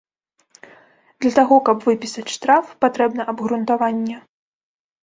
Для таго каб выпісаць штраф, патрэбна абгрунтаванне.